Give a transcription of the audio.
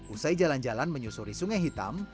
usai jalan jalan menyusuri sungai hitam